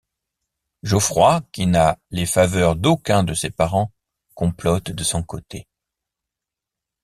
Geoffroy, qui n'a les faveurs d'aucun de ses parents, complote de son côté.